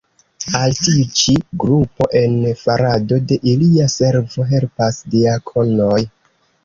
Al tiu ĉi grupo en farado de ilia servo helpas diakonoj.